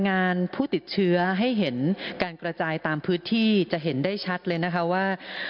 มาให้เห็นการกระจายตามพื้นที่จะเห็นได้ชัดเลยนะคะว่า